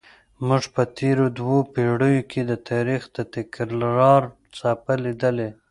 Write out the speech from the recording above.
موږ په تېرو دوو پیړیو کې د تاریخ د تکرار څپه لیدلې.